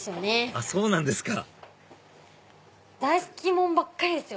あっそうなんですか大好きものばっかりですよ。